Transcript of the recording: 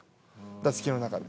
打席の中で。